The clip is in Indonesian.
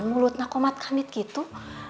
mulutnya kok matkamit gitu